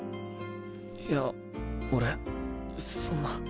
いや俺そんな。